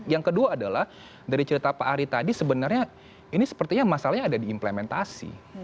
yang kedua adalah dari cerita pak ari tadi sebenarnya ini sepertinya masalahnya ada di implementasi